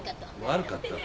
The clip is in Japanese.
悪かったね。